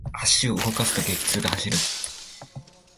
足を動かすと、激痛が走る。